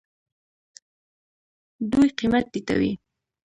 دوی قیمت ټیټوي.